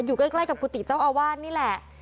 อยู่ใกล้กับกุฏิเจ้าอาวาสนี่แหละ